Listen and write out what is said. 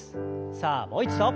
さあもう一度。